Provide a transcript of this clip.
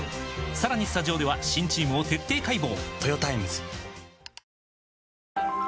さらにスタジオでは新チームを徹底解剖！